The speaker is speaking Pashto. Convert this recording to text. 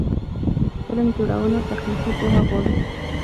فلم جوړونه تخنیکي پوهه غواړي.